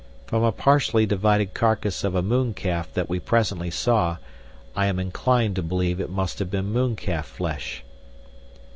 From a partially divided carcass of a mooncalf that we presently saw, I am inclined to believe it must have been mooncalf flesh.